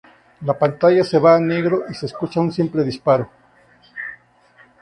La pantalla se va a negro y se escucha un simple disparo.